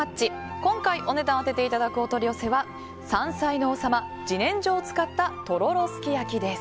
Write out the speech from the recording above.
今回、お値段を当てていただくお取り寄せは山菜の王様・自然薯を使ったとろろすき焼きです。